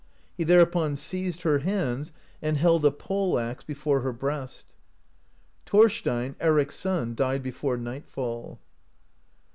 He thereupon seized her hands and held a pole axe (39) before her breast. Thorstein, Eric's son, died be fore night fall.